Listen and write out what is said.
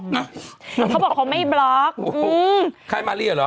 หมายความว่าอะไรอ่ะนะคะ